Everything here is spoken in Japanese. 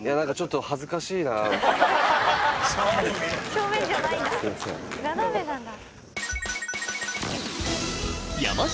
正面じゃないんだ斜めなんだ。